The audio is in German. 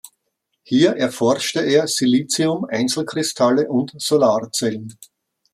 Hier erforschte er Silizium-Einzelkristalle und Solarzellen.